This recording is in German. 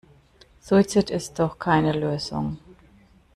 Suizid ist doch keine Lösung.